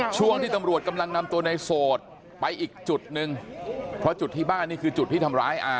ช่วงที่ตำรวจกำลังนำตัวในโสดไปอีกจุดหนึ่งเพราะจุดที่บ้านนี่คือจุดที่ทำร้ายอา